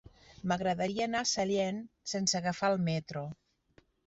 M'agradaria anar a Sallent sense agafar el metro.